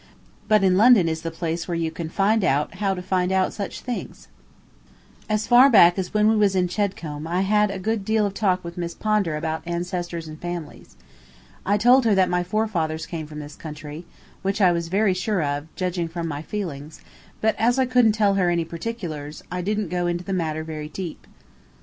But in London is the place where you can find out how to find out such things. [Illustration: "A PERSON WHO WAS A FAMILY TREE MAN"] As far back as when we was in Chedcombe I had had a good deal of talk with Miss Pondar about ancestors and families. I told her that my forefathers came from this country, which I was very sure of, judging from my feelings; but as I couldn't tell her any particulars, I didn't go into the matter very deep.